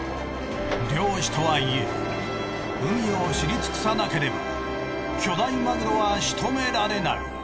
漁師とはいえ海を知り尽くさなければ巨大マグロはしとめられない。